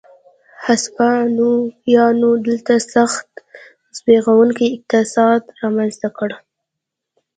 هسپانویانو دلته سخت زبېښونکی اقتصاد رامنځته کړ.